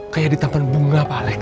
kayak ditampan bunga pak alex